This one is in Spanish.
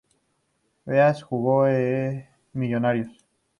Báez jugó en Millonarios.